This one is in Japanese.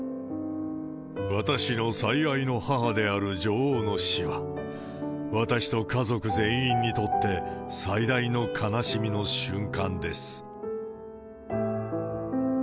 私の最愛の母である女王の死は、私と家族全員にとって最大の悲しみの瞬間です。